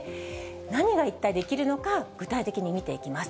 何が一体できるのか、具体的に見ていきます。